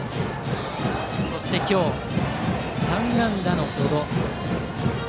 そして、今日３安打の百々です。